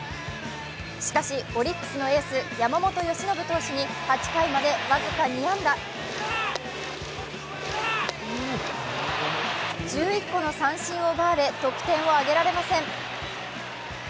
しかし、オリックスのエース山本由伸投手に８回まで僅か２安打１１個の三振を奪われ、得点を挙げられません。